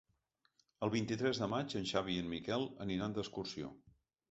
El vint-i-tres de maig en Xavi i en Miquel aniran d'excursió.